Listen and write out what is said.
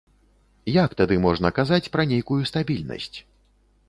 Як тады можна казаць пра нейкую стабільнасць?